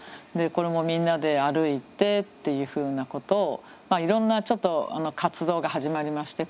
これもみんなで歩いてっていうふうなことをいろんなちょっと活動が始まりまして。